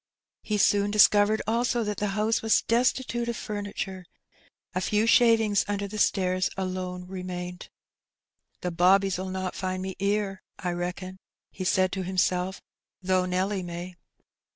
He soon discovered also that the house was destitute of frimiture; a few shavings under the stairs alone remained. ''The bobbies '11 not find me 'ere, I reckon," he said to himself, ''though Nelly may.''